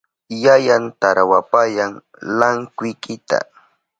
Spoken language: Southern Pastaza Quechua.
Yayan tarawapayan lankwikita.